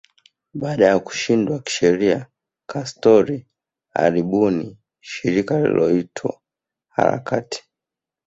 Baada ya kushindwa kisheria Castro alibuni shirika lililoitwa harakati